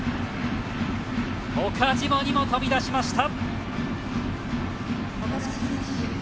岡島にも飛び出しました！